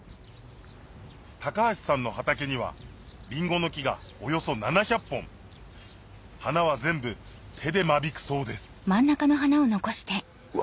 高橋さんの畑にはりんごの木がおよそ７００本花は全部手で間引くそうですうわ